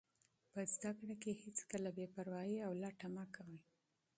په زده کړه کې هېڅکله بې پروایي او لټي مه کوئ.